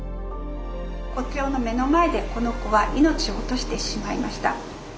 国境の目の前でこの子は命を落としてしまいました。